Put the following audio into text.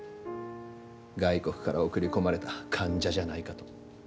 外国から送り込まれた間者じゃないかと。